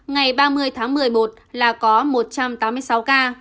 ngày ba mươi tháng một mươi một là có một trăm tám mươi sáu ca